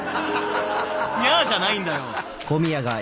「ニャ」じゃないんだよ。